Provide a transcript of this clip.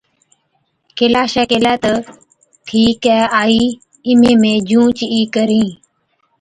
ڪيلاشَي ڪيهلَي تہ، ’ٺِيڪَي آئِي اِمهين مين جھُونچ ئِي ڪرهِين‘۔